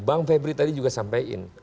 bang febri tadi juga sampaikan